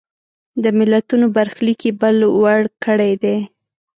د ملتونو برخلیک یې بل وړ کړی دی.